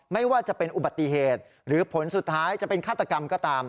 ไม่ว่าจะเป็นอุบัติเหตุหรือผลสุดท้ายจะเป็นฆาตกรรมก็ตาม